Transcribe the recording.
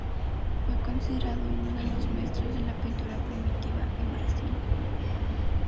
Fue considerado uno de los maestros de la pintura primitiva en Brasil.